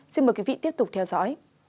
xin mời quý vị tiếp tục theo dõi